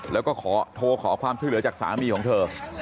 แล้วก็โทรขอความช่วยเหลือจากสามีของเธอ